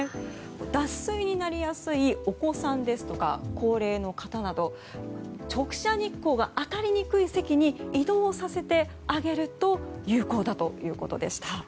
脱水になりやすいお子さんですとか高齢の方など直射日光が当たりにくい席に移動させてあげると有効だということでした。